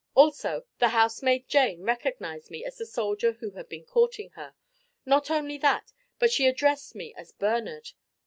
Also the housemaid Jane recognized me as the soldier who had been courting her. Not only that, but she addressed me as Bernard.